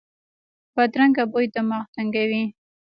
بدرنګه بوی دماغ تنګوي